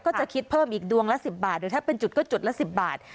ก็จะคิดเพิ่มอีกดวงละ๑๐บาทหรือถ้าเป็นจุดก็จุดละ๑๐บาท